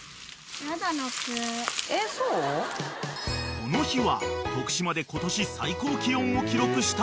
［この日は徳島で今年最高気温を記録した］